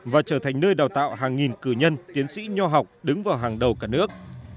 và trở thành nơi đào tạo hàng nghìn cử nhân tiến sĩ nho học đứng vào hàng đầu cả nước